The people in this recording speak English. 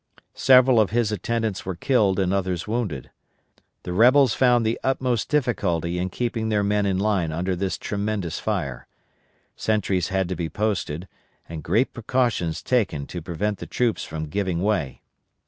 Several of his attendants were killed and others wounded. The rebels found the utmost difficulty in keeping their men in line under this tremendous fire. Sentries had to be posted, and great precautions taken to prevent the troops from giving way.